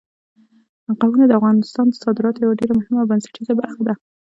قومونه د افغانستان د صادراتو یوه ډېره مهمه او بنسټیزه برخه ده.